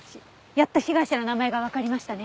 やっと被害者の名前がわかりましたね。